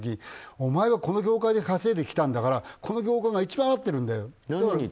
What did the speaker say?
お前はこの業界で稼いできたんだからこの業界が一番合ってるんだよと。